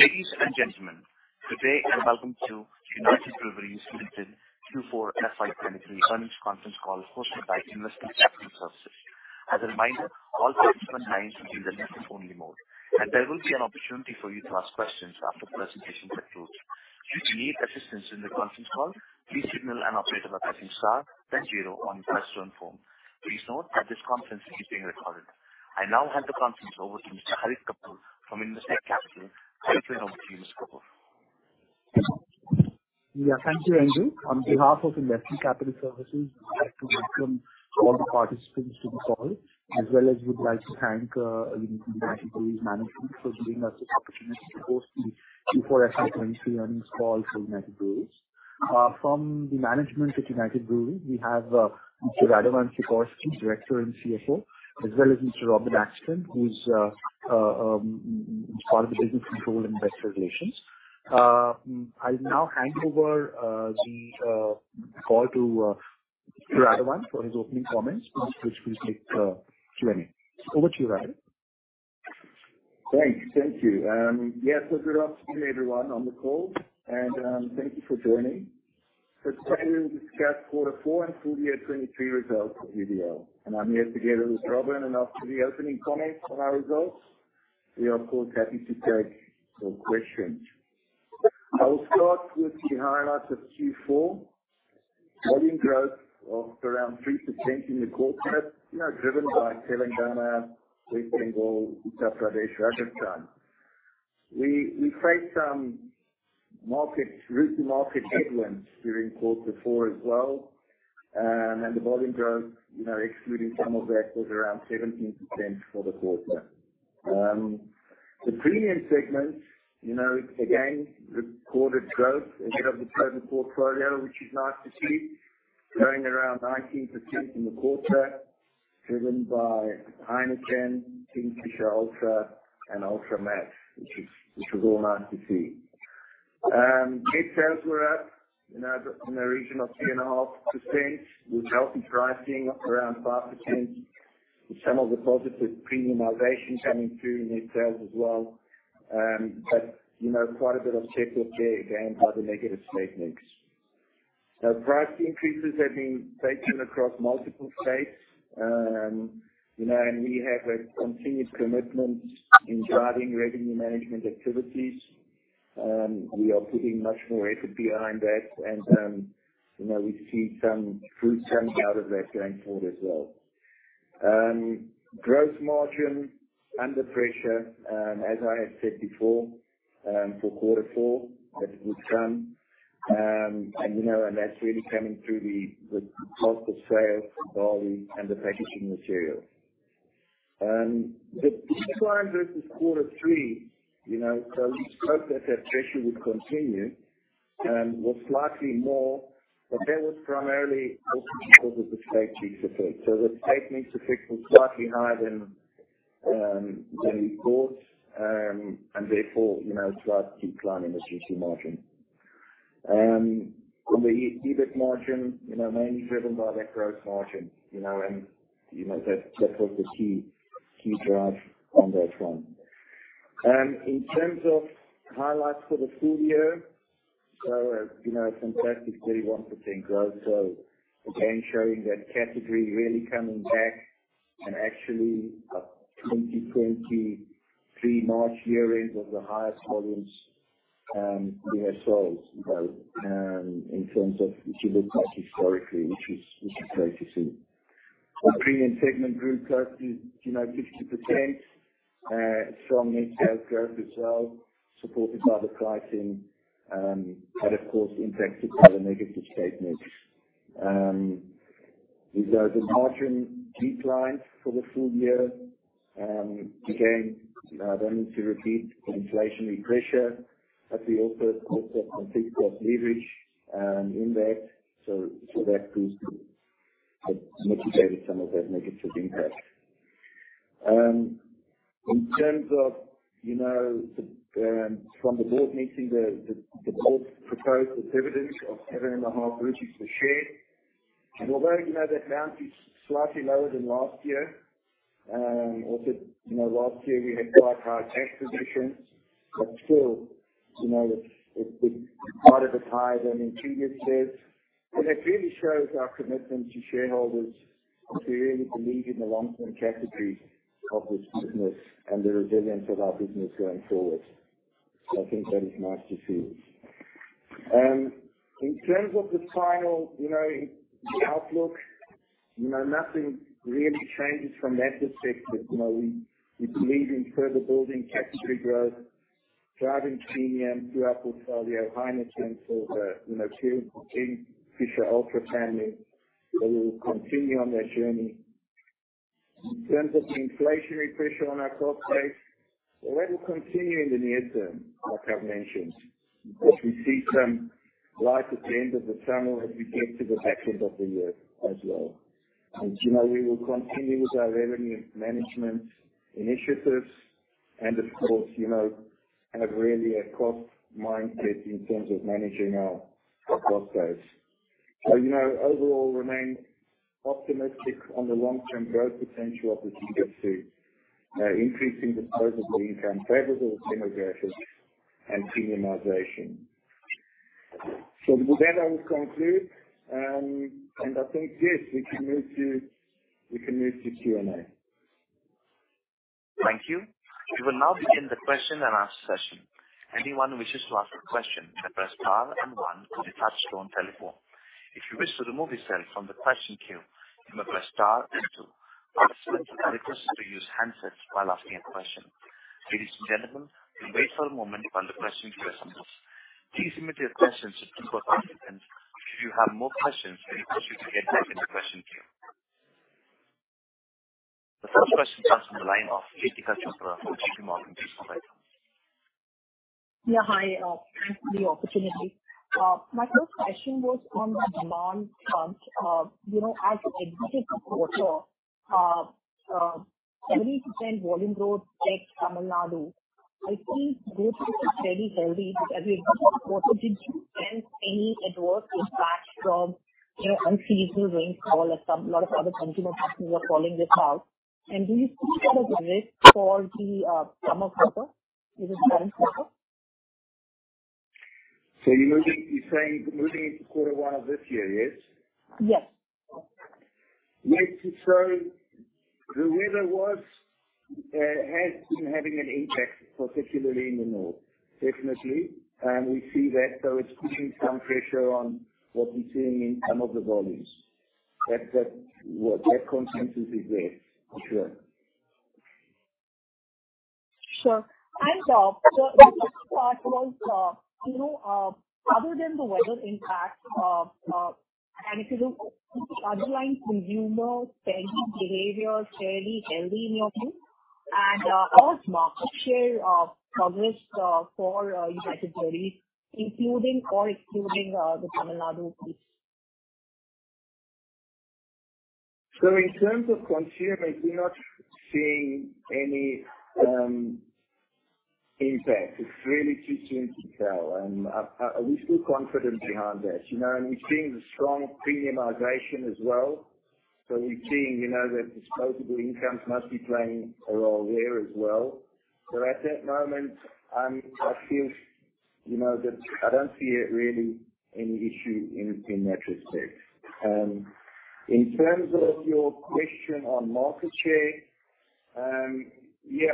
Ladies and gentlemen, today I welcome to United Breweries Limited Q4 FY23 earnings conference call hosted by Investec Capital Services. As a reminder, all participant lines will be in a listen only mode, and there will be an opportunity for you to ask questions after the presentation concludes. If you need assistance in the conference call, please signal an operator by pressing star then zero on your touchtone phone. Please note that this conference is being recorded. I now hand the conference over to Mr. Harit Kapoor from Investec Capital. Over to you, Mr. Kapoor. Yeah, thank you, Andrew. On behalf of Investec Capital Services, I'd like to welcome all the participants to the call, as well as we'd like to thank United Breweries management for giving us this opportunity to host the Q4 FY 23 earnings call for United Breweries. From the management with United Breweries, we have Mr. Radovan Sikorski, Director and CFO, as well as Mr. Robin Achten, who's part of the business control investor relations. I'll now hand over the call to Mr. Radovan for his opening comments, after which we'll take Q&A. Over to you, Radovan. Thanks. Thank you. Yes, good afternoon, everyone on the call, and thank you for joining. Today we will discuss quarter four and full year 2023 results of UBL. I'm here together with Robin, after the opening comments on our results, we are of course happy to take some questions. I will start with the highlights of Q4. Volume growth of around 3% in the quarter, you know, driven by Telangana, West Bengal, Uttar Pradesh, Rajasthan. We faced some market, route to market headwinds during quarter four as well. The volume growth, you know, excluding some of that, was around 17% for the quarter. The premium segment, you know, again recorded growth ahead of the total portfolio, which is nice to see, growing around 19% in the quarter, driven by Heineken, Kingfisher Ultra and Ultra Max, which is all nice to see. Mid sales were up, you know, in the region of 3.5% with healthy pricing around 5%. With some of the positive premiumization coming through in mid sales as well. Quite a bit of check lift there, again, by the negative state mix. Price increases have been taken across multiple states, you know, we have a continued commitment in driving revenue management activities. We are putting much more effort behind that, you know, we see some fruits coming out of that going forward as well. Gross margin under pressure, as I have said before, for quarter four, that would come, you know, that's really coming through the cost of sales, barley and the packaging materials. The decline versus quarter three, you know, we spoke that pressure would continue, was slightly more, but that was primarily also because of the state mix effect. The state mix effect was slightly higher than we thought, therefore, you know, slight decline in the GT margin. On the EBIT margin, you know, mainly driven by that gross margin, you know, that was the key drive on that front. In terms of highlights for the full year. You know, a fantastic 31% growth. Again, showing that category really coming back and actually, 2023 March year ends was the highest volumes, we have sold both, in terms of if you look back historically, which is, which is great to see. The premium segment grew close to, you know, 50%, strong mid sales growth as well, supported by the pricing, but of course impacted by the negative state mix. With, the margin decline for the full year, again, don't need to repeat the inflationary pressure, but we also saw some fixed cost leverage, in that. That was mitigated some of that negative impact. In terms of, you know, the board meeting, the board proposed a dividend of seven and a half rupees per share. Although, you know, that amount is slightly lower than last year, also, you know, last year we had quite high tax positions, but still, you know, it's harder to tie than in previous years. It really shows our commitment to shareholders to really believe in the long term category of this business and the resilience of our business going forward. I think that is nice to see. In terms of the final, you know, the outlook, you know, nothing really changes from that perspective. You know, we believe in further building category growth, driving premium through our portfolio, Heineken, so the, you know, Kingfisher Ultra family. We will continue on that journey. In terms of the inflationary pressure on our cost base, well, that will continue in the near term, like I've mentioned. Of course, we see some light at the end of the tunnel as we get to the back end of the year as well. You know, we will continue with our revenue management initiatives and of course, you know, have really a cost mindset in terms of managing our cost base. You know, overall remain optimistic on the long-term growth potential of the category, increasing disposable income, favorable demographics and premiumization. With that, I will conclude. I think, yes, we can move to Q&A. Thank you. We will now begin the question and answer session. Anyone who wishes to ask a question can press star 1 on your touchtone telephone. If you wish to remove yourself from the question queue, you may press star 2. Participants are requested to use handsets while asking a question. Ladies and gentlemen, we'll wait for a moment while the question queue assembles. Please limit your questions to 2 per participant. If you have more questions, we request you to get back in the question queue. The first question comes from the line of Latika Chopra from J.P. Morgan. Please go ahead. Yeah, hi. Thanks for the opportunity. My first question was on the demand front. You know, as we enter the quarter, 70% volume growth ex Tamil Nadu. I think growth was very healthy. As we approach the quarter, did you sense any adverse impact from, you know, unseasonal rains for some, lot of other consumer customers are calling this out. Do you still see that as a risk for the, summer quarter? Is it summer quarter? You're saying moving into quarter one of this year, yes? Yes. Yes. The weather was has been having an impact, particularly in the north. Definitely. We see that. It's putting some pressure on what we're seeing in some of the volumes. Well, that concern is there, for sure. art was, uh, you know, other than the weather impact, and if you look, underlying consumer spending behavior is fairly healthy in your view. And how is market share progressed for United Breweries, including or excluding the Tamil Nadu piece In terms of consumer, we're not seeing any impact. It's really too soon to tell. We're still confident behind that, you know, and we're seeing the strong premiumization as well. We're seeing, you know, that disposable incomes must be playing a role there as well. At that moment, I feel, you know, that I don't see it really any issue in that respect. In terms of your question on market share, yeah,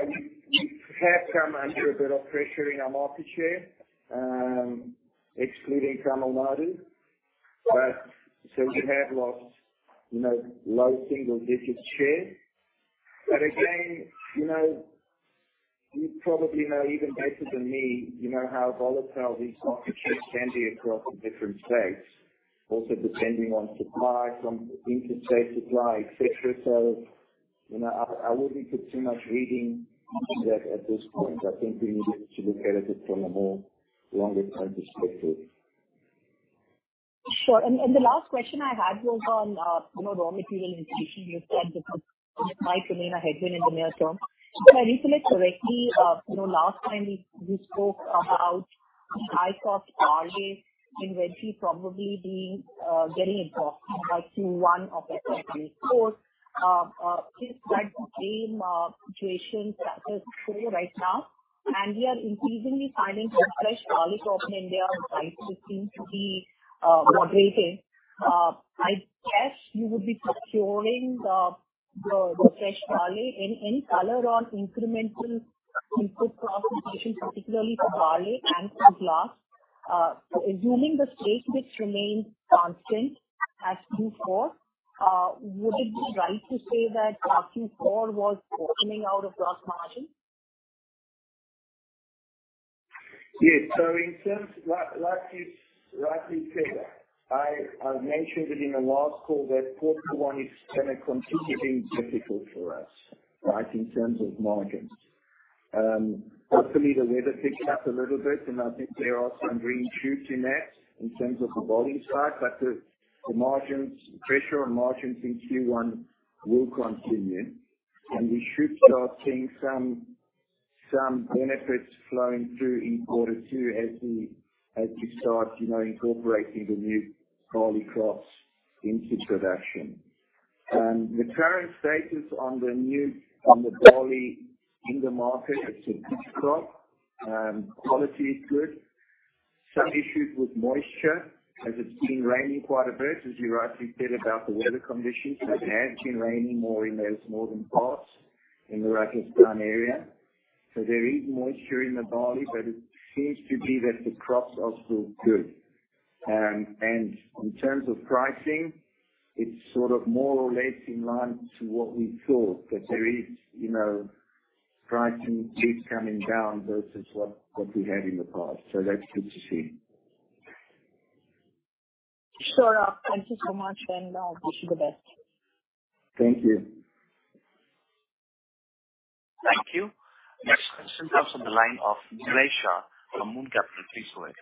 we have come under a bit of pressure in our market share, excluding Tamil Nadu. We have lost, you know, low single digits share. Again, you know, you probably know even better than me, you know, how volatile these market shares can be across the different states, also depending on supply from interstate supply, et cetera. You know, I wouldn't put too much reading into that at this point. I think we need to look at it from a more longer-term perspective. Sure. The last question I had was on, you know, raw material inflation. You said this was, this might remain a headwind in the near term. If I recall it correctly, you know, last time we spoke about the high cost barley inventory probably being getting exhausted by Q1 of the current fiscal. Is that the same situation that is true right now? We are increasingly finding some fresh barley crop in India, the prices seem to be moderating. I guess you would be procuring the fresh barley. Any color on incremental input cost inflation, particularly for barley and for glass? Assuming the stake mix remains constant as before, would it be right to say that Q4 was bottoming out of glass margin? Yes. In terms, rightly said. I mentioned it in the last call that quarter 1 is going to continue being difficult for us, right? In terms of margins. Hopefully the weather picks up a little bit and I think there are some green shoots in that in terms of the volume side. The pressure on margins in Q1 will continue and we should start seeing some benefits flowing through in quarter 2 as we start, you know, incorporating the new barley crops into production. The current status on the barley in the market, it's a good crop. Quality is good. Some issues with moisture as it's been raining quite a bit, as you rightly said about the weather conditions. It has been raining more in those northern parts in the Rajasthan area. There is moisture in the barley, but it seems to be that the crops are still good. In terms of pricing, it's sort of more or less in line to what we thought. That there is, you know, pricing keeps coming down versus what we had in the past. That's good to see. Sure. Thank you so much, and I'll wish you the best. Thank you. Thank you. Next question comes on the line of Nilesh Shah from Moon Capital. Please go ahead.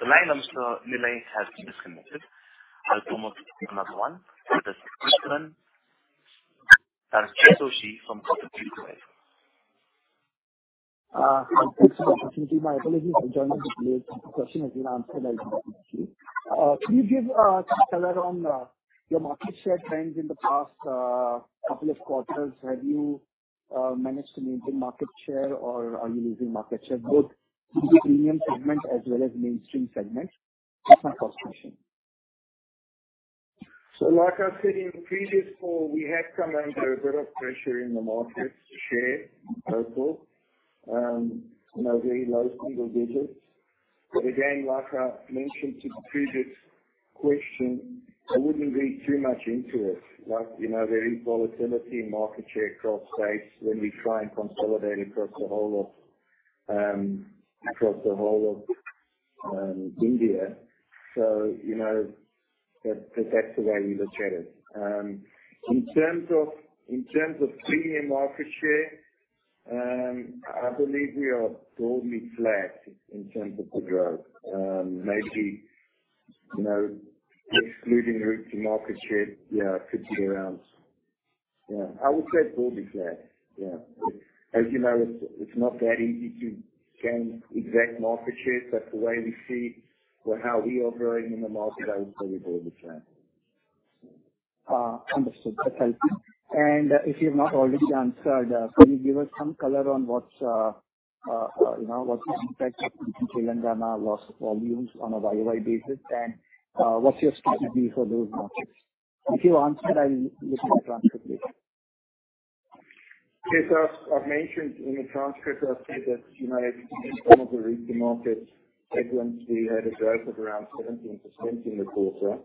The line of Nilay has disconnected. I'll promote another one. It is Krishnan Sambamoorthy from Kotak Securities. Thanks for the opportunity. My apologies, I joined a bit late. The question has been answered, I think. Can you give some color on your market share trends in the past couple of quarters? Have you managed to maintain market share or are you losing market share both in the premium segment as well as mainstream segment? That's my first question. Like I said in the previous call, we have come under a bit of pressure in the market share overall, you know, very low single digits. Again, like I mentioned to the previous question, I wouldn't read too much into it. Like, you know, there is volatility in market share across states when we try and consolidate across the whole of India. You know, that's the way we look at it. In terms of premium market share, I believe we are broadly flat in terms of the growth. Maybe, you know, excluding route to market share, I would say broadly flat. Yeah. As you know, it's not that easy to gain exact market share. That's the way we see or how we are varying in the market. I would say we're broadly flat. Understood. That's helpful. If you've not already answered, can you give us some color on what's the impact of Telangana lost volumes on a year-over-year basis and what's your strategy for those markets? If you answered, I'll listen to transcript please. Yes. I've mentioned in the transcript, I said that, you know, in some of the route to market segments, we had a growth of around 17% in the quarter.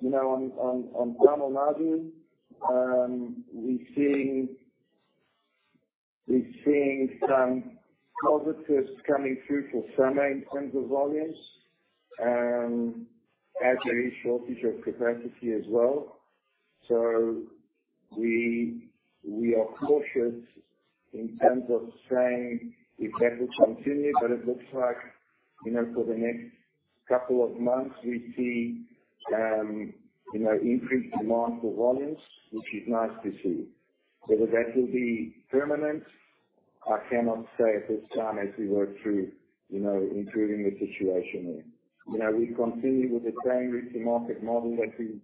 You know, on, on Tamil Nadu, we've seen some positives coming through for summer in terms of volumes. Actually a shortage of capacity as well. We are cautious in terms of saying if that will continue, but it looks like, you know, for the next couple of months we see, you know, increased demand for volumes, which is nice to see. Whether that will be permanent, I cannot say at this time as we work through, you know, improving the situation there. You know, we continue with the same route to market model as we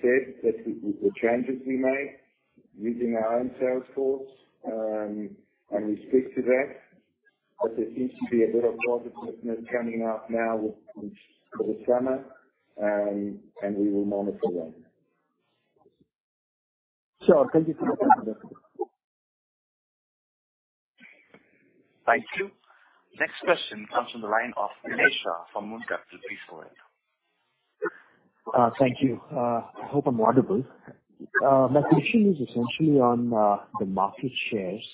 said, that with the changes we made using our own sales force, and we stick to that. There seems to be a bit of positiveness coming out now with the summer, and we will monitor that. Sure. Thank you for your time. Thank you. Next question comes from the line of Nilesh from Envision Capital. Please go ahead. Thank you. I hope I'm audible. My question is essentially on the market shares.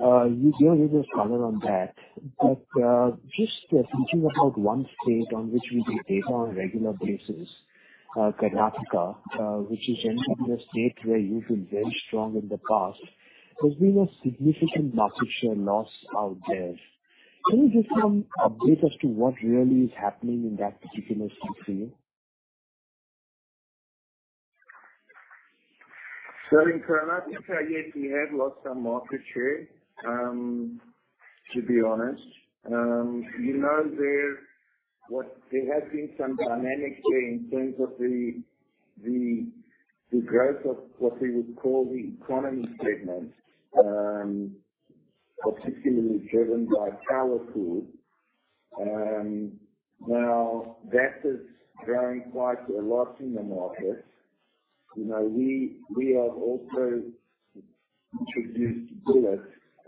You gave us color on that, but just thinking about 1 state on which we get data on a regular basis, Karnataka, which is generally the state where you've been very strong in the past. There's been a significant market share loss out there. Can you give some update as to what really is happening in that particular CC? In Karnataka, yes, we have lost some market share, to be honest. You know, there has been some dynamics there in terms of the growth of what we would call the economy segment, particularly driven by Parle-G. Now that is growing quite a lot in the market. You know, we have also introduced Goodday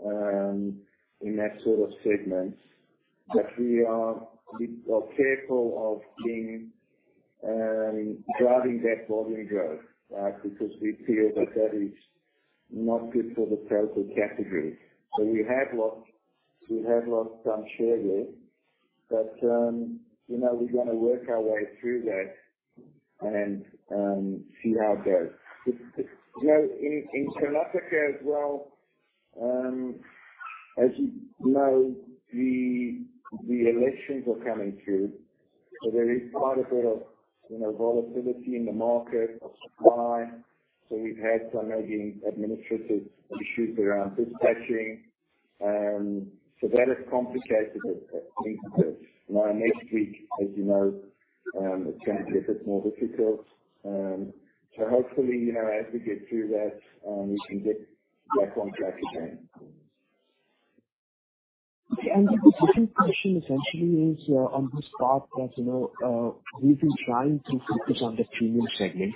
in that sort of segment. We are bit careful of being driving that volume growth, right? We feel that that is not good for the total category. We have lost some share there. You know, we're gonna work our way through that and see how it goes. You know, in Karnataka as well, as you know, the elections are coming through, there is quite a bit of, you know, volatility in the market of supply. We've had some, you know, administrative issues around dispatching. That has complicated things a bit. You know, next week, as you know, it's gonna get a bit more difficult. Hopefully, you know, as we get through that, we can get back on track again. Okay. The second question essentially is, on this part that, you know, you've been trying to focus on the premium segment,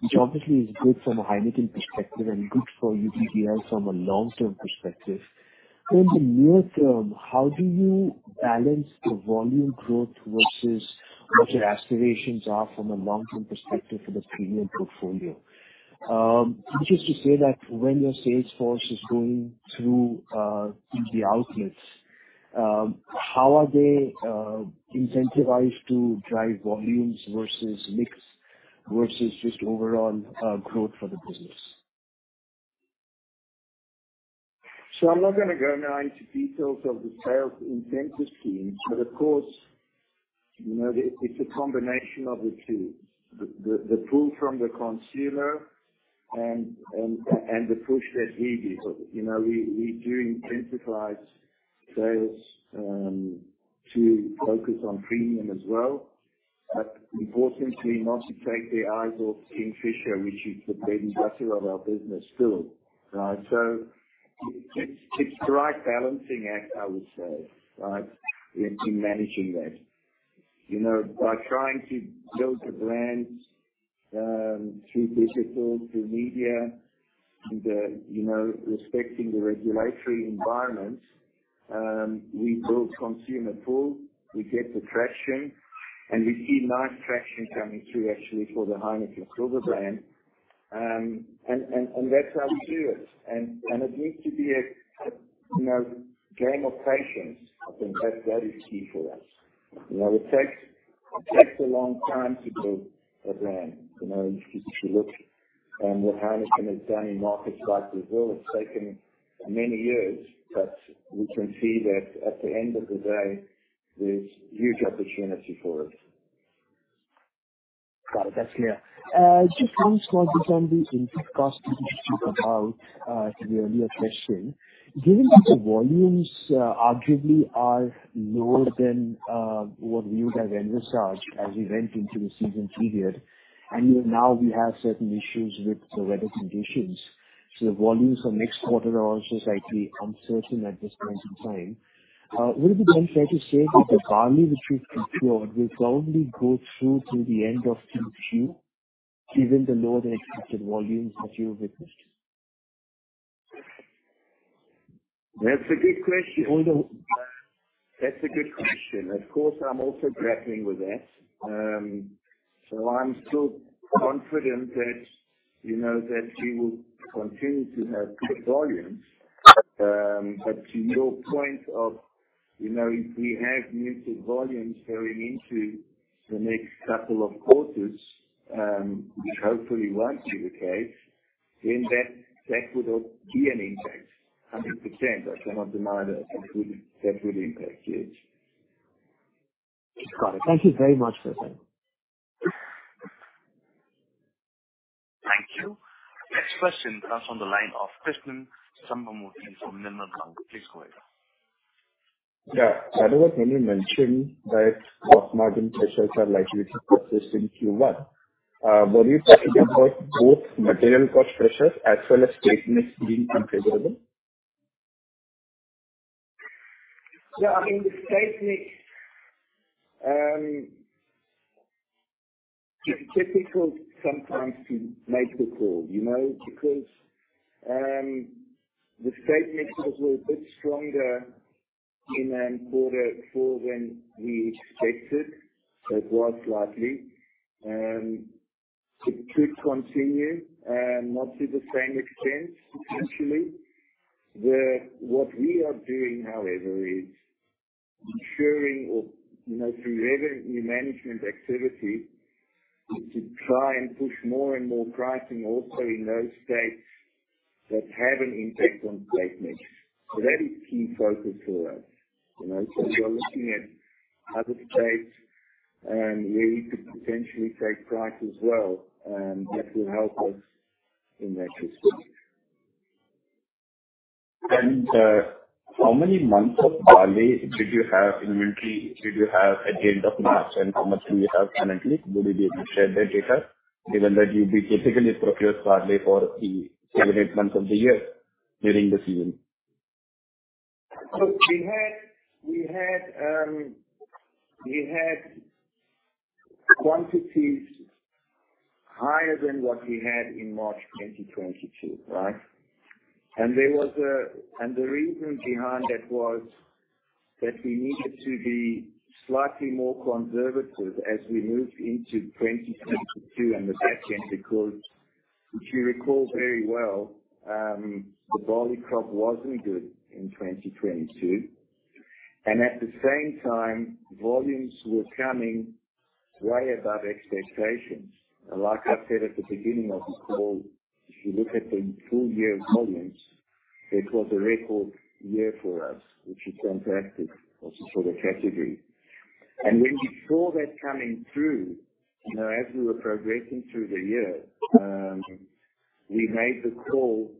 which obviously is good from a high margin perspective and good for UBL from a long term perspective. In the near term, how do you balance the volume growth versus what your aspirations are from a long term perspective for the premium portfolio? Which is to say that when your sales force is going through, into the outlets, how are they incentivized to drive volumes versus mix versus just overall growth for the business? I'm not gonna go now into details of the sales incentive scheme, but of course, you know, it's a combination of the two. The pull from the consumer and the push that we do. You know, we do incentivize sales to focus on premium as well, but importantly, not to take the eyes off Kingfisher, which is the bread and butter of our business still, right? It's the right balancing act, I would say, right, in managing that. You know, by trying to build the brands, through digital, through media, and, you know, respecting the regulatory environment, we build consumer pull, we get the traction, and we see nice traction coming through actually for the Heineken Silver brand. And that's how we do it. It needs to be a, you know, game of patience. I think that is key for us. You know, it takes a long time to build a brand, you know. If you look, what Heineken has done in markets like Brazil, it's taken many years, we can see that at the end of the day, there's huge opportunity for us. Got it. That's clear. Just one small detail on the input cost, which you spoke about, through your earlier question. Given that the volumes, arguably are lower than what we would have envisaged as we went into the season period, and, you know, now we have certain issues with the weather conditions, the volumes for next quarter are also slightly uncertain at this point in time. Would it be then fair to say that the volume which we've procured will probably go through till the end of Q2, given the lower than expected volumes that you've witnessed? That's a good question. Although- That's a good question. Of course, I'm also grappling with that. I'm still confident that, you know, that we will continue to have good volumes. To your point of, you know, if we have muted volumes going into the next couple of quarters, which hopefully won't be the case, then that would be an impact. 100%. I cannot deny that that would impact. Yes. Got it. Thank you very much for the same. Thank you. Next question comes on the line of Krishna Sambamurti from Nimble Bank. Please go ahead. Earlier when you mentioned that gross margin pressures are likely to persist in Q1, were you talking about both material cost pressures as well as trade mix being unfavorable? Yeah, I mean, the trade mix. It's difficult sometimes to make the call, you know, because the trade mix was a little bit stronger in quarter four than we expected. It was slightly. It could continue not to the same extent potentially. What we are doing, however, is ensuring or, you know, through revenue management activity, is to try and push more and more pricing also in those states that have an impact on trade mix. That is key focus for us, you know. We are looking at other states where we could potentially take price as well, and that will help us in that respect. How many months of barley did you have inventory at the end of March, and how much do you have currently? Would you be able to share that data given that you'd be typically procure barley for the seven, eight months of the year during the season? We had quantities higher than what we had in March 2022, right? The reason behind that was that we needed to be slightly more conservative as we moved into 2022 and the back end, because if you recall very well, the barley crop wasn't good in 2022. At the same time, volumes were coming way above expectations. Like I said at the beginning of the call, if you look at the full year volumes, it was a record year for us, which is fantastic also for the category. When you saw that coming through, you know, as we were progressing through the year, we made the call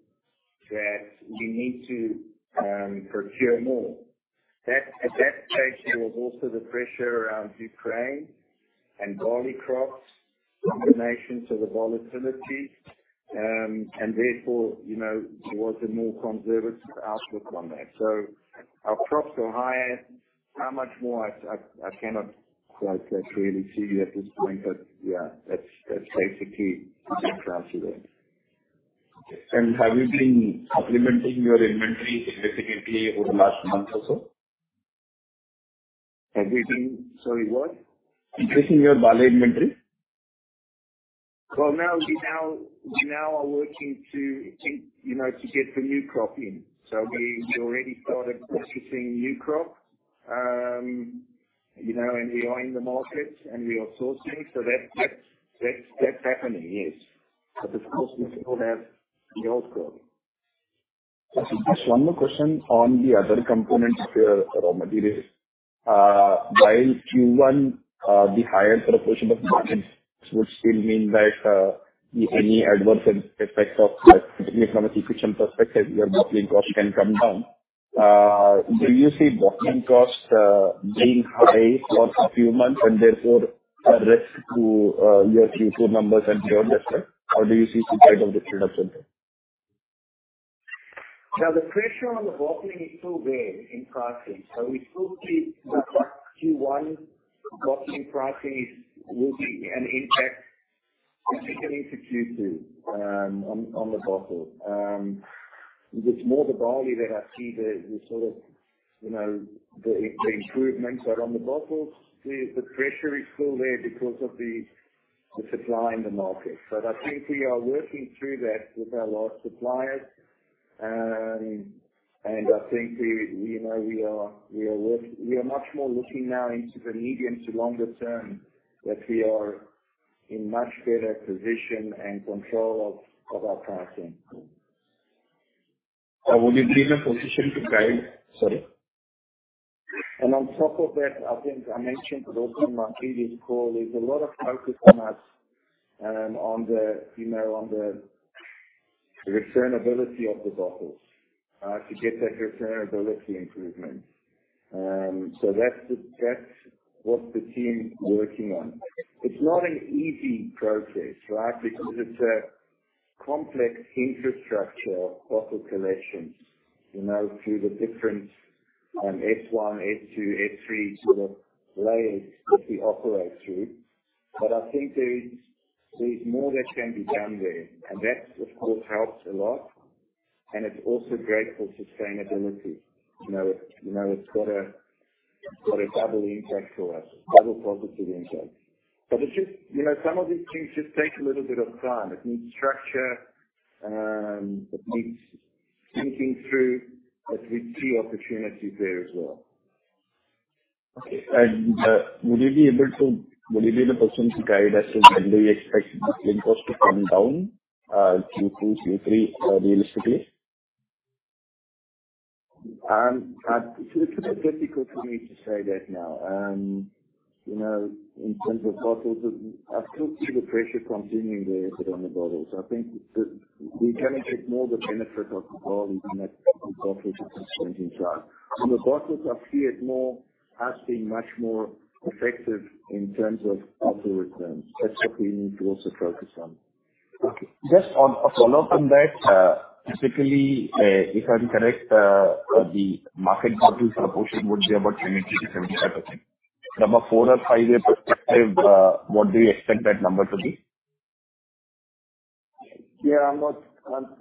that we need to procure more. At that stage there was also the pressure around Ukraine and barley crops, combination, the volatility. Therefore, you know, there was a more conservative outlook on that. Our crops are higher. How much more? I cannot quite clearly see at this point. Yeah, that's basically the answer to that. Okay. Have you been supplementing your inventory significantly over the last month or so? Have we been... Sorry, what? Increasing your barley inventory. Now, we are working to, you know, to get the new crop in. We already started purchasing new crop. You know, we are in the markets and we are sourcing. That's happening, yes. Of course we still have the old coding. Just one more question on the other component of your raw materials. While Q1, the higher proportion of bottles would still mean that, any adverse effect of like from an efficient perspective, your bottling cost can come down. Do you see bottling costs being high for a few months and therefore a risk to your Q2 numbers and beyond that? Or do you see some type of reduction there? The pressure on the bottling is still there in pricing. We still see Q1 bottling pricing is, will be an impact particularly into Q2, on the bottles. It's more the barley that I see the sort of, you know, the improvements. On the bottles the pressure is still there because of the supply in the market. I think we are working through that with our large suppliers. I think we, you know, we are much more looking now into the medium to longer term, that we are in much better position and control of our pricing. Would you be in a position to guide? Sorry. On top of that, I think I mentioned it also in my previous call, there's a lot of focus on us, on the, you know, on the returnability of the bottles. To get that returnability improvement. That's what the team's working on. It's not an easy process, right? Because it's a complex infrastructure of bottle collections, you know, through the different S one, S two, S three sort of layers that we operate through. I think there's more that can be done there. That of course helps a lot, and it's also great for sustainability. You know, it's got a double impact for us, double positive impact. It's just, you know, some of these things just take a little bit of time. It needs structure, it needs thinking through. We see opportunities there as well. Okay. Would you be the person to guide us in when do we expect this impact to come down, Q2, Q3, realistically? It's a bit difficult for me to say that now. you know, in terms of bottles, I still see the pressure continuing there. On the bottles I think We can take more of the benefit of the barley than that the bottles are constraining us. On the bottles I see it more as being much more effective in terms of bottle returns. That's what we need to also focus on. Okay. Just on a follow-up on that, typically, if I'm correct, the market bottles proportion would be about 70%-75%. From a 4 or 5-year perspective, what do you expect that number to be? Yeah, it's,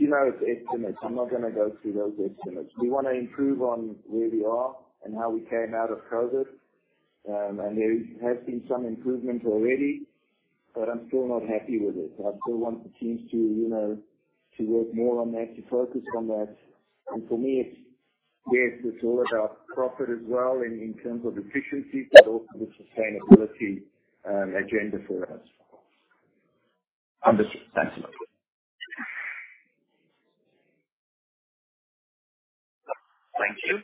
you know, it's estimates. I'm not gonna go through those estimates. We wanna improve on where we are and how we came out of COVID. There has been some improvement already, but I'm still not happy with it. I still want the teams to, you know, to work more on that, to focus on that. For me it's, yes, it's all about profit as well in terms of efficiency, but also the sustainability agenda for us. Understood. Thanks a lot. Thank you.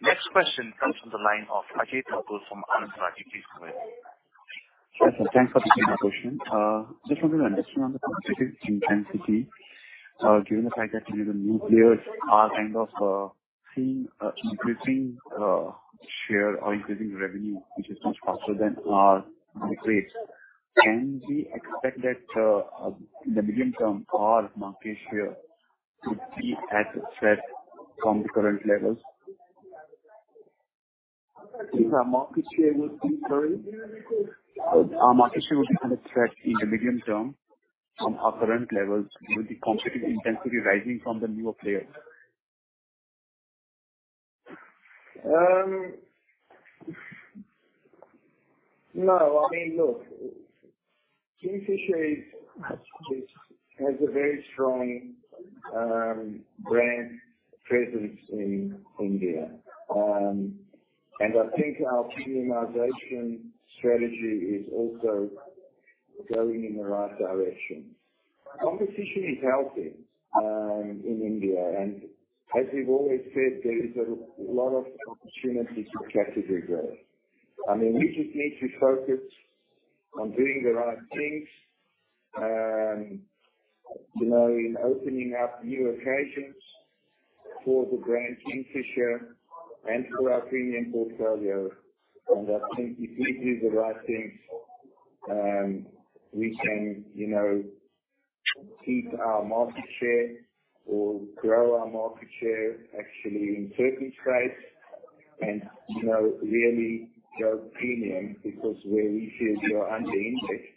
Next question comes from the line of Ajay Thakur from Anand Rathi. Please go ahead. Yes, thanks for taking my question. Just wanted to understand the competitive intensity. Given the fact that even the new players are kind of seeing increasing share or increasing revenue, which is much faster than the rates. Can we expect that in the medium term, our market share to be at threat from the current levels? If our market share would be, sorry? Our market share would be under threat in the medium term from our current levels with the competitive intensity rising from the newer players. No. I mean, look, Kingfisher is, has a very strong brand presence in India. I think our premiumization strategy is also going in the right direction. Competition is healthy in India, and as we've always said, there is a lot of opportunity for category growth. I mean, we just need to focus on doing the right things, you know, in opening up new occasions for the brand Kingfisher and for our premium portfolio. I think if we do the right things, we can, you know, keep our market share or grow our market share actually in certain stripes and, you know, really go premium because where we feel we are under indexed.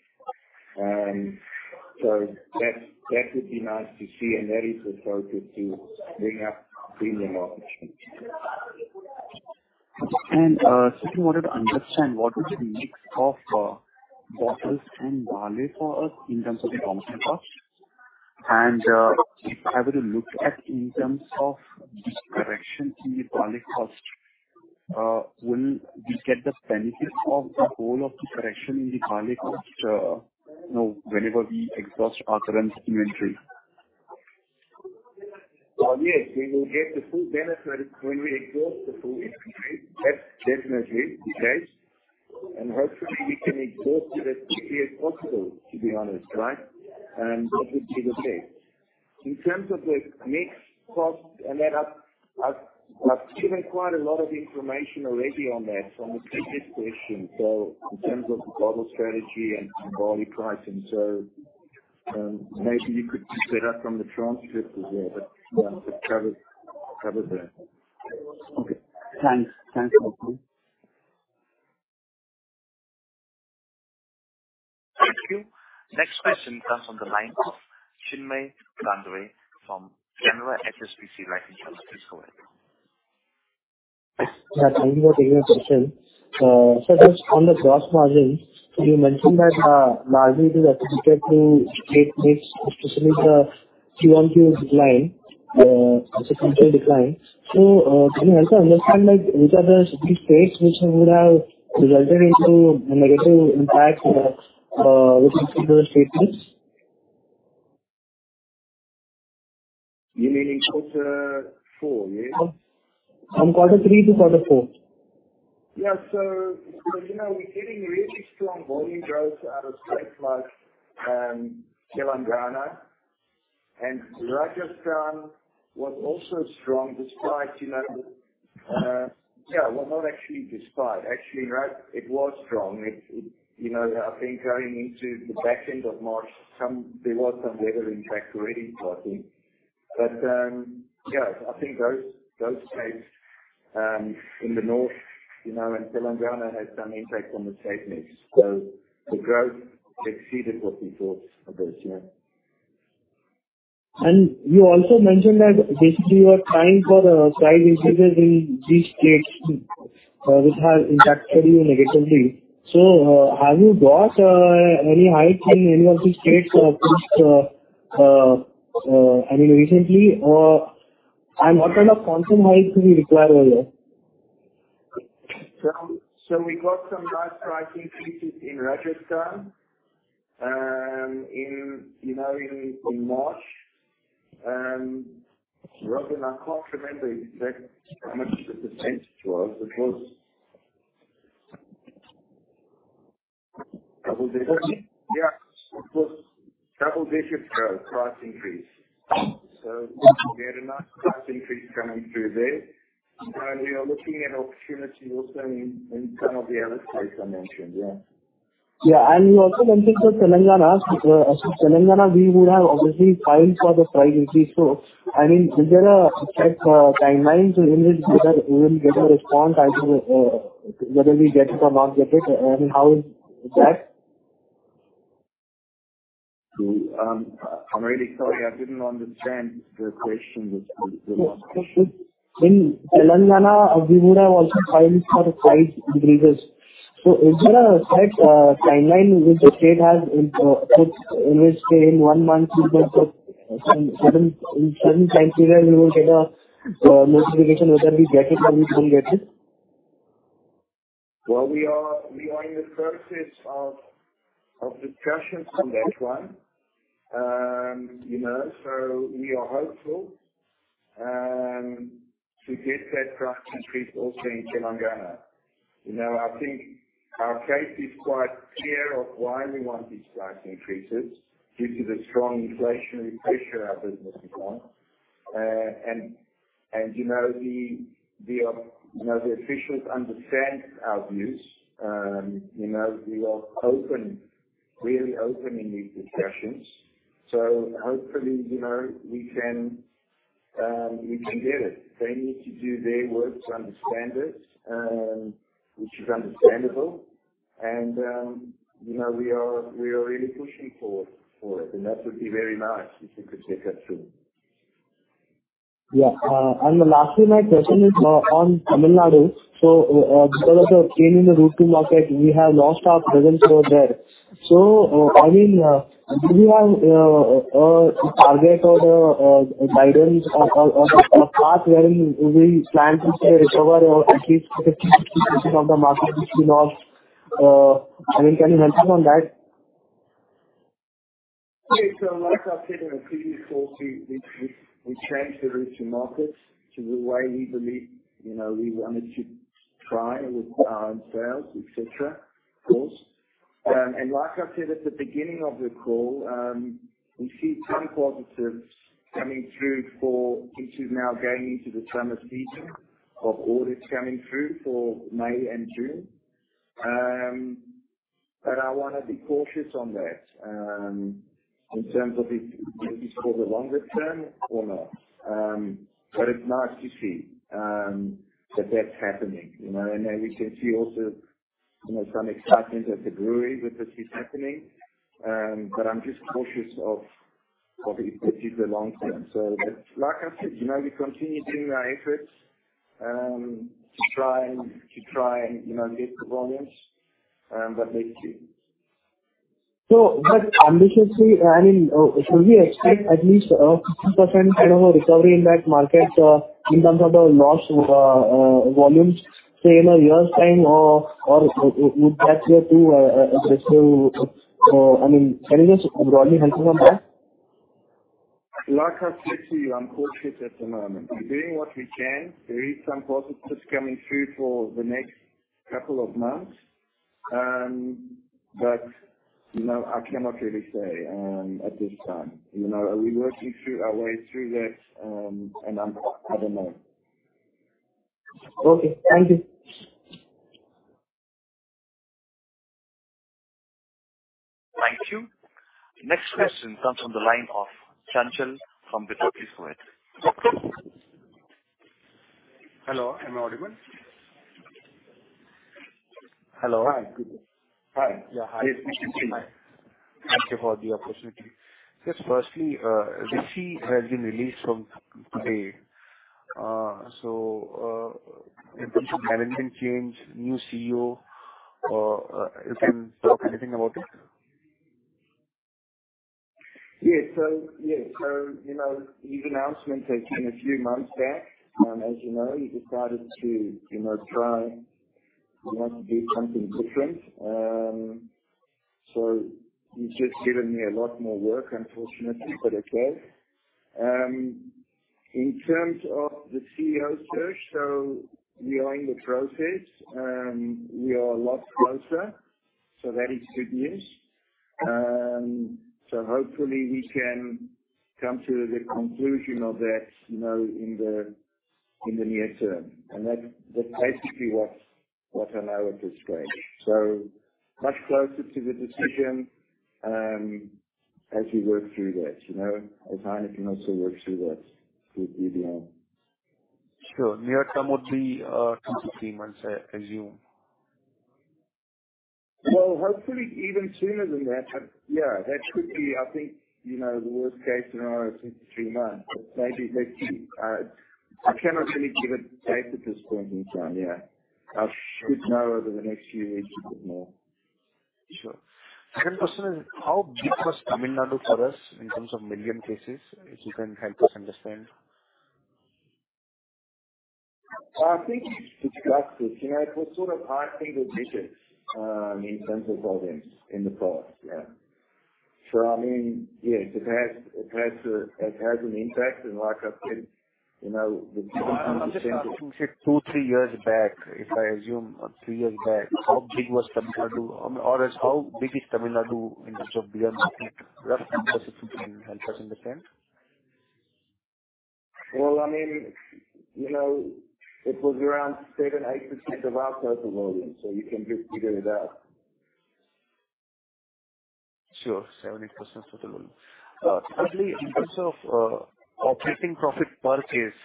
That, that would be nice to see and that is the focus to bring up premium options. Second wanted to understand what would be the mix of bottles and barley for us in terms of the raw material costs? If I were to look at in terms of this correction in the barley cost, will we get the benefit of the whole of the correction in the barley cost, you know, whenever we exhaust our current inventory? Yes, we will get the full benefit when we exhaust the full inventory. That's definitely the case. Hopefully we can exhaust it as quickly as possible, to be honest, right? That would be the case. In terms of the mix cost, I've given quite a lot of information already on that from the previous question. In terms of the bottle strategy and barley pricing. Maybe you could just get that from the transcript as well. Yeah, it covers that. Okay. Thanks. Thanks, Mark. Thank you. Next question comes on the line of Chinmay Gander from Canara HSBC Life Insurance. Please go ahead. Yeah. Thank you for taking my question. Just on the gross margin, you mentioned that margin is attributed to state mix, especially the Q-on-Q decline. It's a country decline. Can you help to understand, like, which are the specific states which would have resulted into negative impact within those statements? You mean in quarter four, yeah? From quarter three to quarter four. Yeah. So, so, you know, we're getting really strong volume growth out of states like, Telangana and Rajasthan was also strong despite, you know. Yeah, well, not actually despite. Actually Raj it was strong. You know, I think going into the back end of March, there was some weather impact already I think. Yeah, I think those states in the north, you know, and Telangana had some impact on the state mix. The growth exceeded what we thought of it, you know. You also mentioned that basically you are trying for price increases in these states, which has impacted you negatively. Have you got any hike in any of these states since, I mean recently? What kind of quantum hike will be required over there? We got some nice price increases in Rajasthan, in, you know, in March. Robin, I can't remember exactly how much the percentage was. Double digits. Yeah. It was double digits, though, price increase. We had a nice price increase coming through there. We are looking at opportunities also in some of the other states I mentioned. Yeah. Yeah. You also mentioned for Telangana. Since Telangana we would have obviously filed for the price increase. I mean, is there a set timeline to in which we will get a response as to whether we get it or not get it? I mean, how is that? I'm really sorry, I didn't understand the question that you want. Sure, sure. In Telangana we would have also filed for price increases. Is there a set timeline which the state has in which, say, in 1 month we will get some certain time period we will get a notification whether we get it or we don't get it? Well, we are in the process of discussions on that one. You know, we are hopeful to get that price increase also in Telangana. You know, I think our case is quite clear of why we want these price increases due to the strong inflationary pressure our business is on. You know, the officials understand our views. You know, we are open, really open in these discussions. Hopefully, you know, we can get it. They need to do their work to understand it, which is understandable. You know, we are really pushing for it and that would be very nice if we could take that through. Lastly my question is, on Tamil Nadu. Because of the change in the route to market, we have lost our presence over there. I mean, do you have a target or a guidance or a path wherein we plan to, say, recover at least 50%, 60% of the market which we lost? I mean, can you mention on that? Okay. Like I said in the previous call, we changed the route to markets to the way we believe, you know, we wanted to try with our own sales, et cetera, of course. Like I said at the beginning of the call, we see some positives coming through for... which is now going into the summer season of orders coming through for May and June. I wanna be cautious on that, in terms of if this is for the longer term or not. It's nice to see that that's happening, you know. We can see also, you know, some excitement at the brewery with this is happening. I'm just cautious of if this is the long term. Like I said, you know, we continue doing our efforts, to try and, you know, get the volumes. Thank you. But ambitiously, I mean, should we expect at least a 50%, you know, recovery in that market, in terms of the lost volumes, say, in a year's time or would that year too? I mean, can you just broadly hint us on that? Like I said to you, I'm cautious at the moment. We're doing what we can. There is some positives coming through for the next couple of months. You know, I cannot really say, at this time. You know, we're working through our way through that, I don't know. Okay. Thank you. Thank you. Next question comes from the line of Chanchal from Batoti Sowet. Hello, am I audible? Hello. Hi. Good day. Hi. Yes. Thank you for the opportunity. Just firstly, Rishi has been released from pay. In terms of management change, new CEO, you can talk anything about it? Yes. Yes, you know, his announcement came a few months back. As you know, he decided to, you know, try, you know, to do something different. He's just given me a lot more work unfortunately, but okay. In terms of the CEO search, we are in the process. We are a lot closer, that is good news. Hopefully we can come to the conclusion of that, you know, in the, in the near term. That's basically what I know at this stage. Much closer to the decision, as we work through that, you know. As Heineken also works through that with DBM. Sure. Near term would be, two to three months, I assume. Well, hopefully even sooner than that. Yeah, that could be, I think, you know, the worst case scenario is two to three months. Maybe next week. I cannot really give a date at this point in time. Yeah. I should know over the next few weeks a bit more. Sure. Second question is how big was Tamil Nadu for us in terms of million cases, if you can help us understand? I think we've discussed this. You know, it was sort of half single digits, in terms of volumes in the past. Yeah. I mean, yes, it has an impact. Like I said, you know, the different countries. Two, three years back, if I assume, or three years back, how big was Tamil Nadu? How big is Tamil Nadu in terms of beer market, roughly approximately help us understand. Well, I mean, you know, it was around 7-8% of our total volume, so you can just figure it out. Sure. 7%, 8% of the volume. Thirdly, in terms of operating profit per case,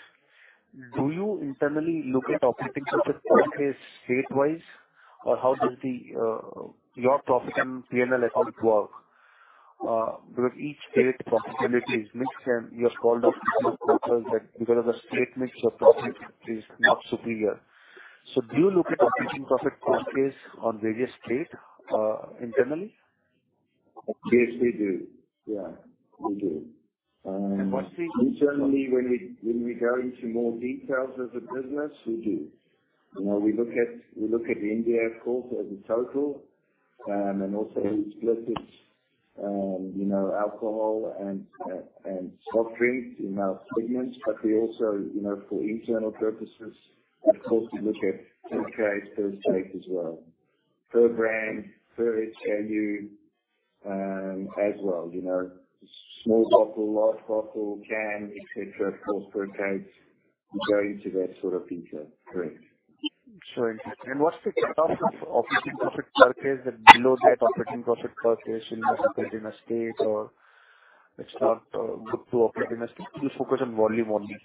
do you internally look at operating profit per case state-wise, or how does the your profit and P&L account work? Because each state profitability is mixed and you have called out in your results that because of the state mix, your profit is not superior. Do you look at operating profit per case on various state, internally? Yes, we do. Yeah, we do. What's the. Internally when we go into more details of the business, we do. You know, we look at India of course as a total, and also each business, you know, alcohol and soft drinks in our segments. We also, you know, for internal purposes, of course we look at per case, per state as well. Per brand, per SKU, as well, you know. Small bottle, large bottle, can, etc. Of course, per case. We go into that sort of detail. Correct. Sure. What's the cutoff of operating profit per case and below that operating profit per case you must operate in a state or it's not good to operate in a state? Do you focus on volume only?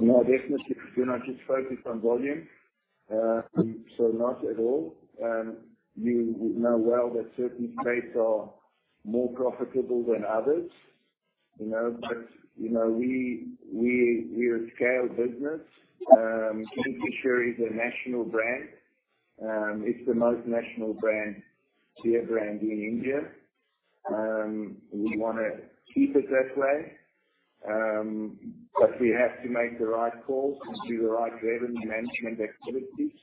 No, definitely, you know, just focus on volume. Not at all. You know well that certain states are more profitable than others, you know. You know, we're a scale business. Kingfisher is a national brand. It's the most national brand, beer brand in India. We wanna keep it that way. We have to make the right calls and do the right revenue management activities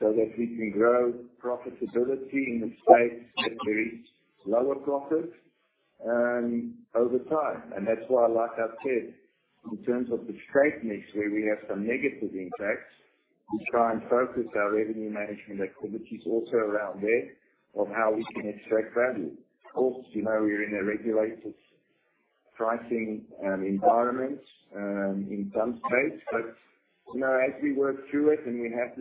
so that we can grow profitability in the states that there is lower profit over time. That's why, like I said, in terms of the state mix where we have some negative impacts, we try and focus our revenue management activities also around there of how we can extract value. Of course, you know, we are in a regulated pricing environment in some states. You know, as we work through it and we have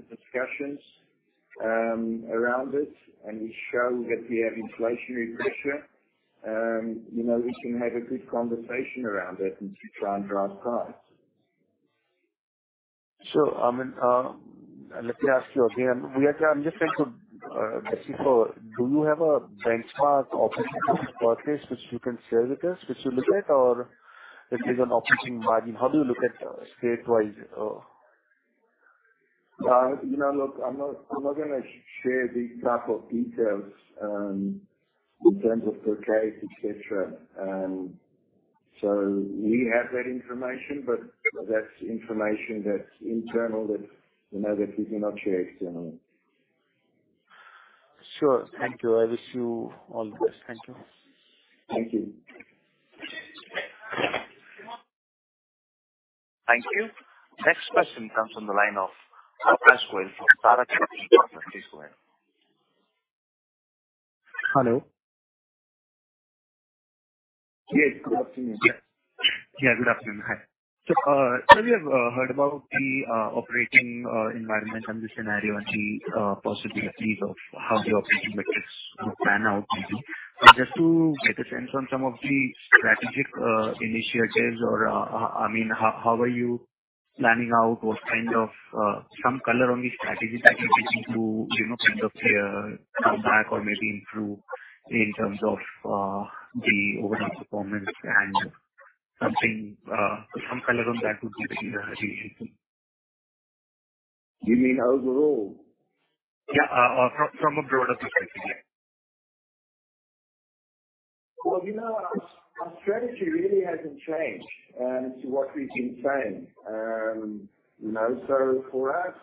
the discussions, around it and we show that we have inflationary pressure, you know, we can have a good conversation around it and to try and drive price. Sure. Let me ask you again. I'm just trying to, basically do you have a benchmark operating profit per case which you can share with us, which you look at or? That is an operating margin. How do you look at statewise? You know, look, I'm not, I'm not gonna share these type of details, in terms of per case, et cetera. We have that information, but that's information that's internal that, you know, that we do not share externally. Sure. Thank you. I wish you all the best. Thank you. Thank you. Thank you. Next question comes from the line of Prashwail from Bara Capital, Prashwail. Hello. Yes, good afternoon. Yeah, good afternoon. Hi. Sir, we have heard about the operating environment and the scenario and the possibilities of how the operating metrics will pan out maybe. Just to get a sense on some of the strategic initiatives or, I mean, how are you planning out what kind of some color on the strategy that you're looking to, you know, kind of come back or maybe improve in terms of the overall performance and something, some color on that would be really appreciated. You mean overall? Yeah. From a broader perspective, yeah. Well, you know, our strategy really hasn't changed to what we've been saying. You know, for us,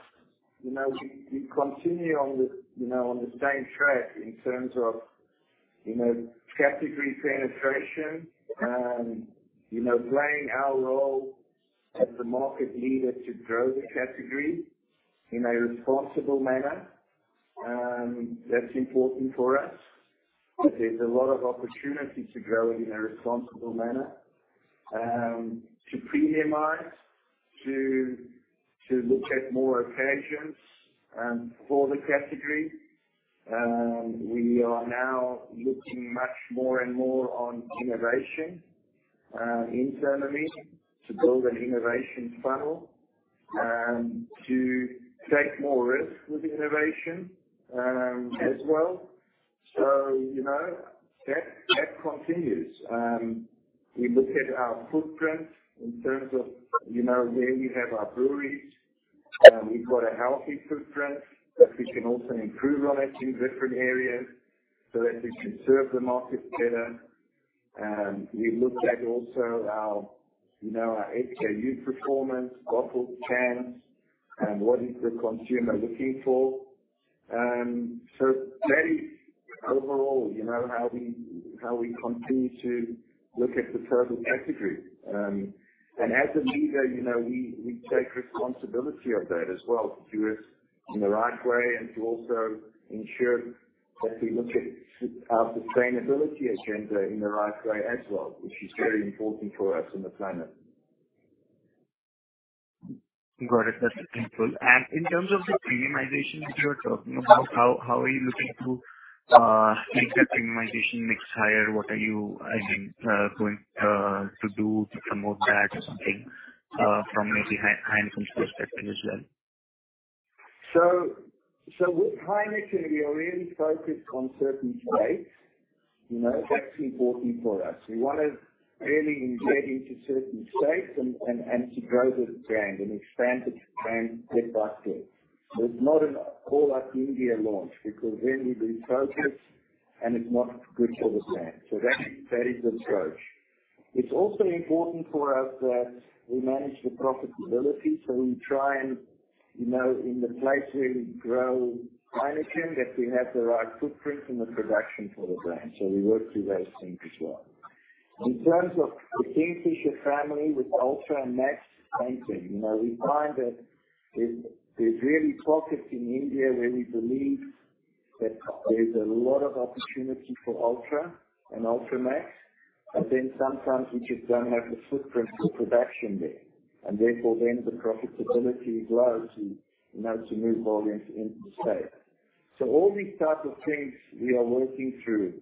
you know, we continue on the, you know, on the same track in terms of, you know, category penetration, you know, playing our role as the market leader to grow the category in a responsible manner. That's important for us. There's a lot of opportunity to grow in a responsible manner, to premiumize, to look at more occasions for the category. We are now looking much more and more on innovation, internally to build an innovation funnel and to take more risks with innovation as well. You know, that continues. We look at our footprint in terms of, you know, where we have our breweries. We've got a healthy footprint, we can also improve on it in different areas so that we can serve the market better. We look at also our, you know, our HKU performance, bottles, cans, and what is the consumer looking for. That is overall, you know, how we, how we continue to look at the total category. As a leader, you know, we take responsibility of that as well to do it in the right way and to also ensure that we look at our sustainability agenda in the right way as well, which is very important for us in the planet. Got it. That's helpful. In terms of the premiumization which you are talking about, how are you looking to make that premiumization mix higher? What are you, I mean, going to do to promote that or something from maybe Heineken's perspective as well? With Heineken, we are really focused on certain states. You know, that's important for us. We wanna really embed into certain states and to grow the brand and expand the brand step by step. There's not an all up India launch because then we lose focus and it's not good for the brand. That's, that is the approach. It's also important for us that we manage the profitability, so we try and, you know, in the place where we grow Heineken, that we have the right footprint and the production for the brand. We work through those things as well. In terms of the Kingfisher family with Ultra Max, same thing. You know, we find that there's really pockets in India where we believe that there's a lot of opportunity for Ultra and Ultra Max, but then sometimes we just don't have the footprint or production there, and therefore then the profitability grows, you know, to move volume into the state. All these types of things we are working through,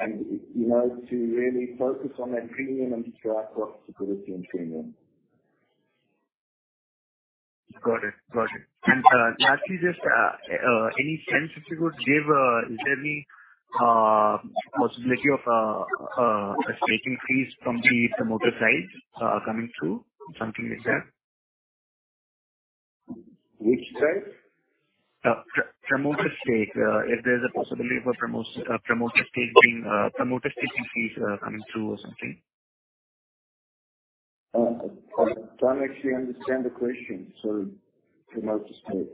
and, you know, to really focus on that premium and drive profitability and premium. Got it. Got it. Can I ask you just any sense if you could give, is there any possibility of a staking fees from the promoter side coming through? Something like that? Which side? promoter stake. If there's a possibility of a promoter stake being promoter staking fees coming through or something. I'm trying to actually understand the question. Sorry. Promoter stake.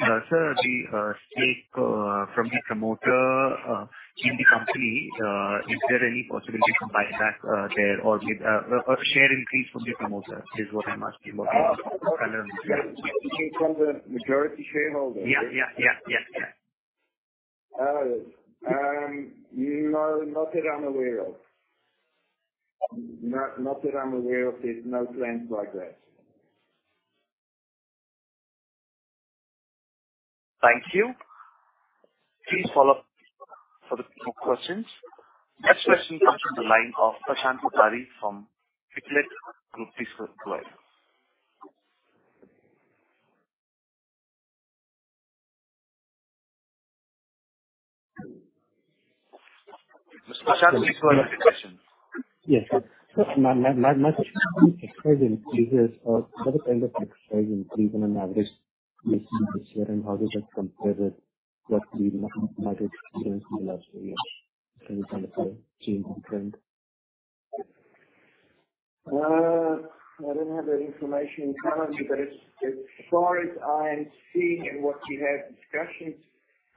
Sir, the stake from the promoter in the company, is there any possibility to buy back their or the a share increase from the promoter? Is what I'm asking. What is the color on that? You mean from the majority shareholder? Yeah, yeah, yeah. No, not that I'm aware of. Not that I'm aware of. There's no plans like that. Thank you. Please follow for the more questions. Next question comes from the line of Prashant Putari from Titlet Group Research Lounge. Mr. Ashant, please go ahead with your question. Yes. My question is on tax savings. What kind of tax savings do you on an average year, and how does that compare with what we might experience in the last three years? Any kind of change in trend? I don't have that information in front of me, as far as I'm seeing and what we have discussions,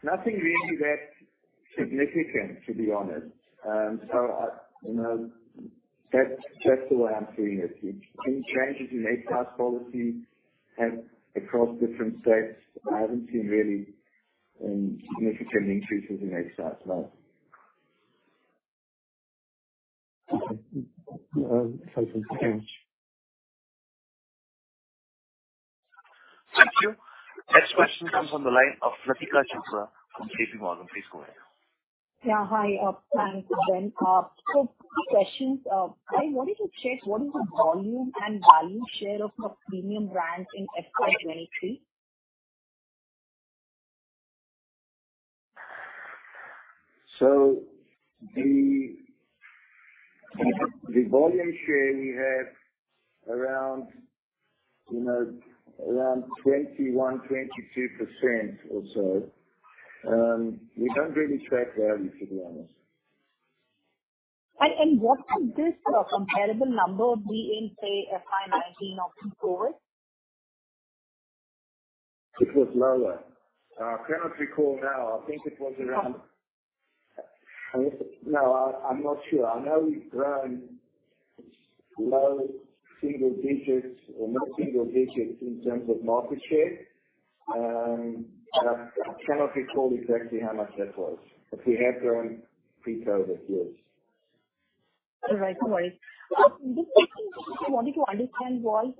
nothing really that significant, to be honest. I, you know, that's the way I'm seeing it. Between changes in excise policy and across different states, I haven't seen really any significant increases in excise, no. Okay. Thank you very much. Thank you. Next question comes from the line of Latika Chopra from J.P. Morgan. Please go ahead. Yeah, hi. Thanks, Ben. Two questions. I wanted to check what is the volume and value share of your premium brands in FY 2023? The volume share we have around, you know, around 21%-22% or so. We don't really track value, to be honest. What was this comparable number be in, say, FY19 or before? It was lower. I cannot recall now. I think it was around. No, I'm not sure. I know we've grown low single digits or mid-single digits in terms of market share. I cannot recall exactly how much that was. We have grown pretty well over the years. All right. No worries. The second thing I wanted to understand was,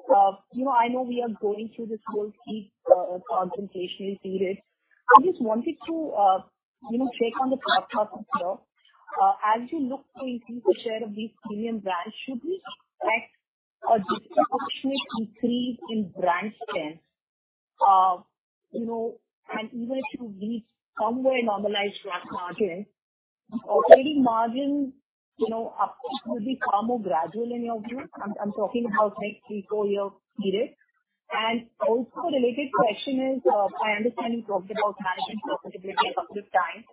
you know, I know we are going through this whole steep concentration period. I just wanted to, you know, take on the top half of your... As you look to increase the share of these premium brands, should we expect a disproportionate increase in brand spend? You know, and even if you reach some way normalized gross margin, already margin, you know, will be far more gradual in your view. I'm talking about next 3-4 year period. Also a related question is, I understand you talked about management profitability a couple of times.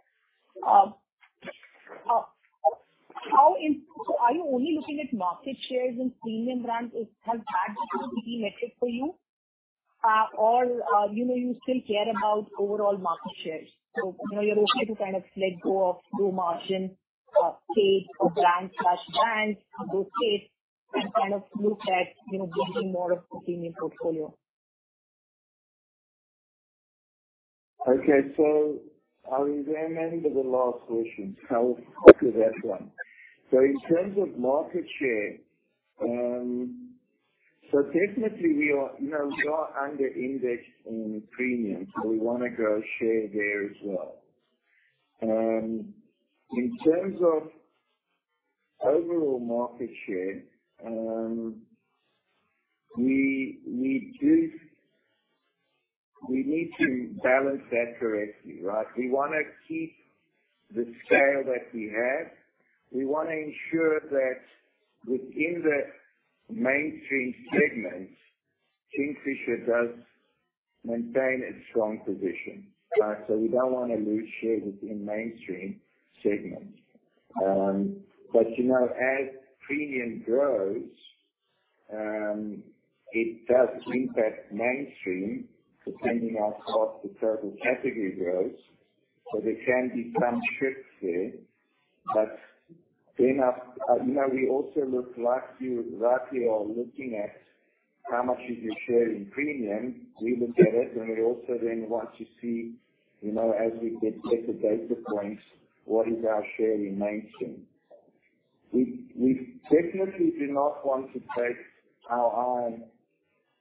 How in... So are you only looking at market shares and premium brands as the key metric for you? Or, you know, you still care about overall market shares? You know, you're okay to kind of let go of low margin, trade or brand slash brands in those case and kind of look at, you know, building more of the premium portfolio. Okay. I'll examine the last question. I'll copy that one. In terms of market share, definitely we are, you know, we are under-indexed in premium, so we wanna grow share there as well. In terms of overall market share, we need to balance that correctly, right? We wanna keep the scale that we have. We wanna ensure that within the mainstream segment, Kingfisher does maintain a strong position, right? We don't wanna lose share within mainstream segment. You know, as premium grows, it does impact mainstream depending on how the total category grows. There can be some shifts there. You know, we also look like you, like you are looking at how much is your share in premium. We look at it. We also then want to see, you know, as we get better data points, what is our share in mainstream. We definitely do not want to take our eye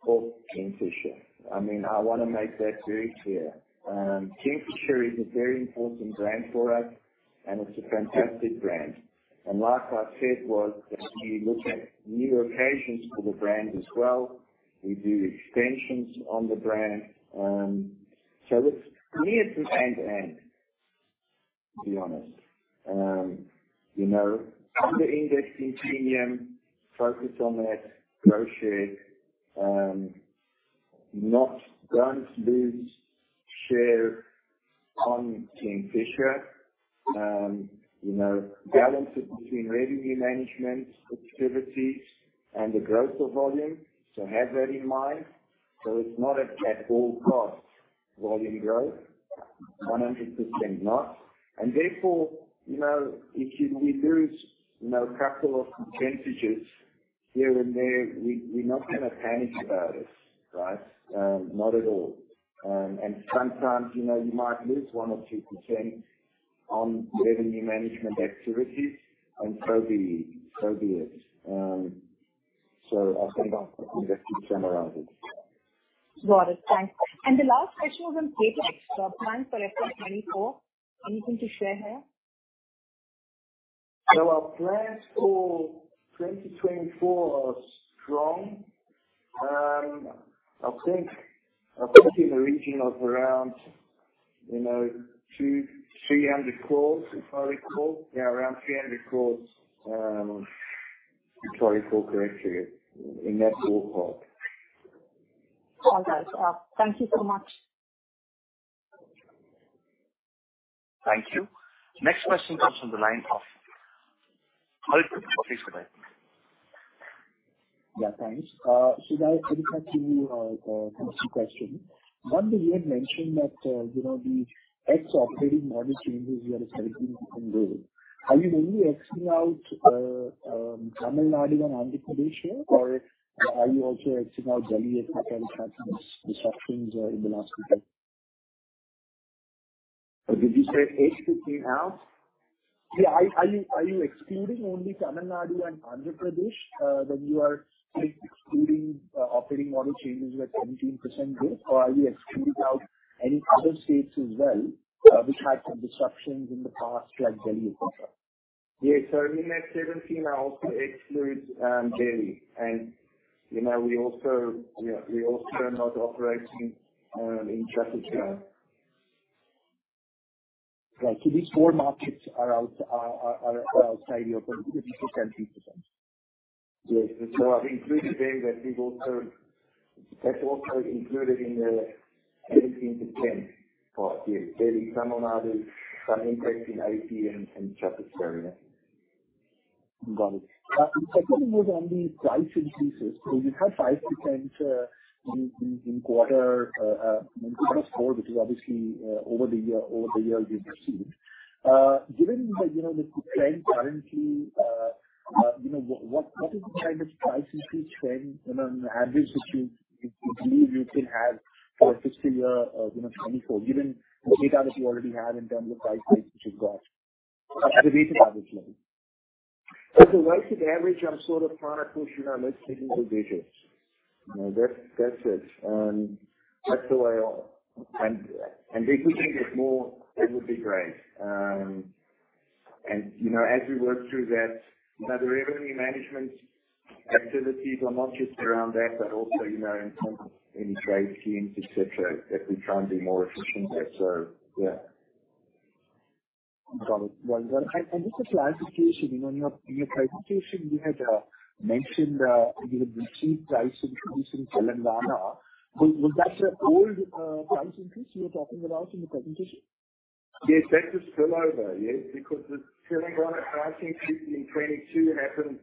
off Kingfisher. I mean, I wanna make that very clear. Kingfisher is a very important brand for us, and it's a fantastic brand. Like I said was that we look at new occasions for the brand as well. We do extensions on the brand. So it's near to end-to-end, to be honest. You know, under indexing premium, focus on that growth share, not going to lose share on Kingfisher. You know, balance it between revenue management activities and the growth of volume. Have that in mind. It's not at all costs volume growth. 100% not. Therefore, you know, if you lose, you know, couple of percentages here and there, we're not gonna panic about it, right? Not at all. Sometimes, you know, you might lose 1 or 2% on revenue management activities, so be it. So I think that summarizes. Got it. Thanks. The last question was on CapEx plans for FY 2024. Anything to share here? Our plans for 2024 are strong. I think in the region of around, you know, 300 crores, if I recall. Around 300 crores, if I recall correctly, in that ballpark. All right. Thank you so much. Thank you. Next question comes from the line of Hariprasad. Please go ahead. Thanks. Sudarshan here. 3 quick questions. 1, you had mentioned that, you know, the ex-operating model changes you are expecting from there. Are you only X-ing out Tamil Nadu and Andhra Pradesh, or are you also X-ing out Delhi as it had disruptions in the last quarter? Did you say X-ing out? Yeah. Are you excluding only Tamil Nadu and Andhra Pradesh, when you are excluding operating model changes with 17% growth? Or are you excluding out any other states as well, which had some disruptions in the past like Delhi? Yeah. In that 17 I also exclude, Delhi. you know, we also are not operating, in Chhattisgarh. Right. These four markets are out, are outside your operating 57%. Yes. I've included Delhi, but That's also included in the 18 to 10 part. Yes. Delhi, Tamil Nadu, some impact in AP and Chhattisgarh, yeah. Got it. The second one was on the price increases. You had 5% in quarter four, which is obviously over the year you've received. Given the, you know, the trend currently, you know, what is the kind of price increase trend on an average, which you believe you can have for fiscal year, you know, 2024? Given the data that you already have in terms of price hikes which you've got. At a weighted average level. At the weighted average, I'm sort of cautious. You know, let's stick with the digits. You know, that's it. That's the way I... If we can get more, it would be great. You know, as we work through that, you know, the revenue management activities are not just around that, but also, you know, in terms of any trade teams, et cetera, that we try and be more efficient there. Yeah. Got it. Well done. Just a clarification. You know, in your presentation you had mentioned, you know, the key price increase in Telangana. Was that the old price increase you were talking about in the presentation? Yes, that was spillover. Yes, because the Telangana price increase in 22 happened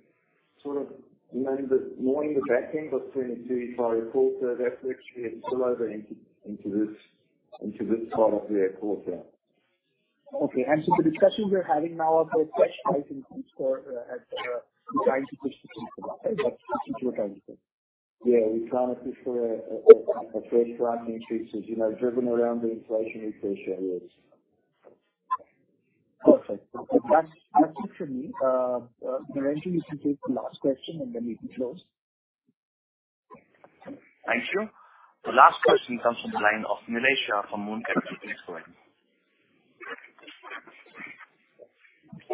sort of, you know, more in the back end of 22, sorry, quarter. That's actually a spillover into this part of the quarter. Okay. The discussions you're having now are for fresh price increase or, trying to push the things about it? That's what you're trying to say? Yeah. We're trying to push for a fresh round of increases, you know, driven around the inflationary pressures, yes. Perfect. That's it from me. Narendra, you can take the last question and then we can close. Thank you. The last question comes from the line of Nilesh Shah from Moelis & Company. Please go ahead.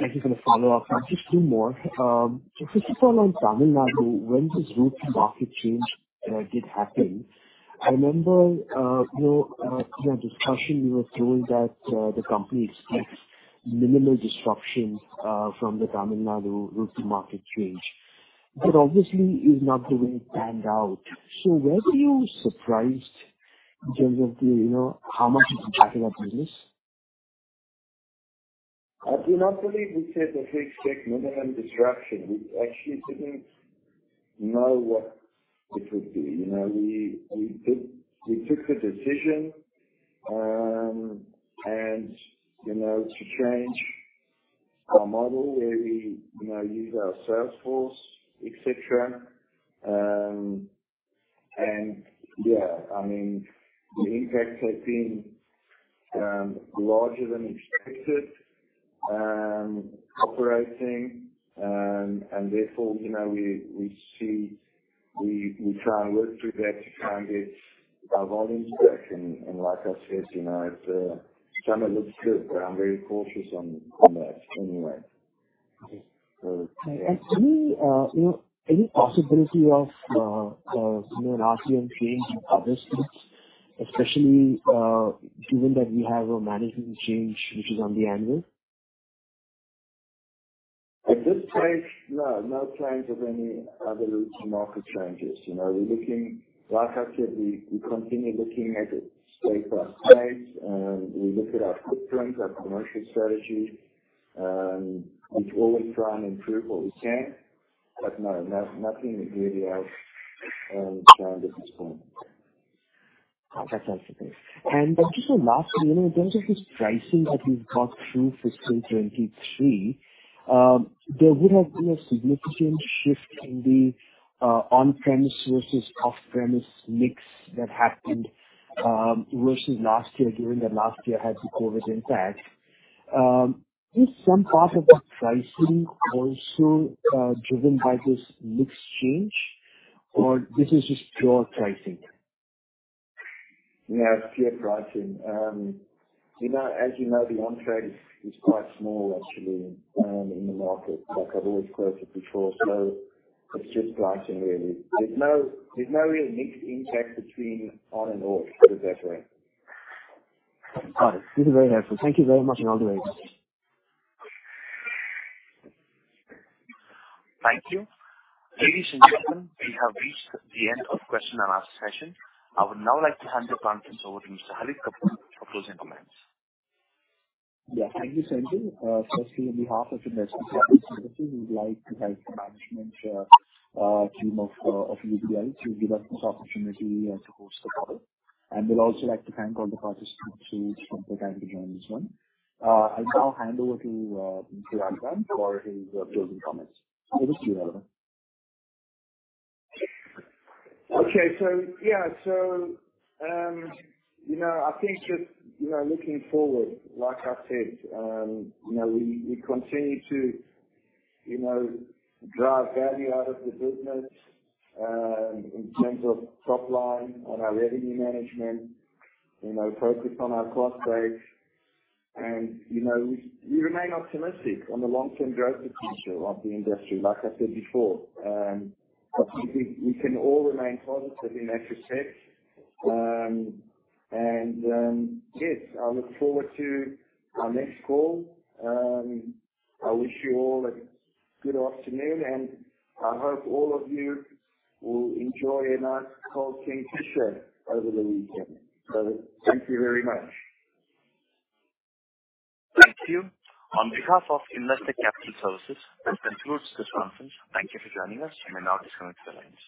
Thank you for the follow-up. Just two more. First of all, on Tamil Nadu, when this route to market change did happen, I remember, you know, in our discussion you were told that the company expects minimal disruption from the Tamil Nadu route to market change. Obviously is not the way it panned out. Were you surprised in terms of the, you know, how much it impacted our business? I do not believe we said that we expect minimum disruption. We actually didn't know what it would be. You know, we took the decision, you know, to change our model where we, you know, use our sales force, et cetera. Yeah, I mean, the impacts have been larger than expected, operating. Therefore, you know, we try and work through that to try and get our volumes back. Like I said, you know, it's summer looks good, but I'm very cautious on that anyway. Okay. Yeah. To me, you know, any possibility of, you know, RCM change in other states? Especially, given that we have a management change which is on the anvil. At this stage, no. No signs of any other route to market changes. You know, Like I said, we continue looking at it state by state. We look at our footprint, our commercial strategy, we always try and improve what we can. No, nothing really else, at this point. That's also clear. Just a last one. You know, in terms of this pricing that we've got through fiscal 2023, there would have been a significant shift in the on-premise versus off-premise mix that happened versus last year, given that last year had the COVID impact. Is some part of the pricing also driven by this mix change or this is just pure pricing? You know, it's just pricing. You know, as you know, the on-trade is quite small actually, in the market, like I've always quoted before. It's just pricing really. There's no, there's no real mixed impact between on and off, put it that way. Got it. This is very helpful. Thank you very much, and I'll do it. Thank you. Ladies and gentlemen, we have reached the end of question and answer session. I would now like to hand the conference over to Mr. Khalid Kapoor for closing comments. Yeah. Thank you, Sanjay. Firstly, on behalf of Investec Capital Services, we'd like to thank the management team of UBL to give us this opportunity to host the call. We'd also like to thank all the participants who took the time to join this one. I'll now hand over to Adrian for his closing comments. Over to you, Adrian. Okay. Yeah, you know, I think just, you know, looking forward, like I said, you know, we continue to, you know, drive value out of the business, in terms of top line and our revenue management. You know, focus on our cost base. You know, we remain optimistic on the long-term growth potential of the industry, like I said before. I think we can all remain positive in that respect. Yes, I look forward to our next call. I wish you all a good afternoon, and I hope all of you will enjoy a nice cold Kingfisher over the weekend. Thank you very much. Thank you. On behalf of Investec Capital Services, this concludes this conference. Thank you for joining us. You may now disconnect your lines.